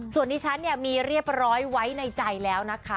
ส่วนที่ฉันเนี่ยมีเรียบร้อยไว้ในใจแล้วนะคะ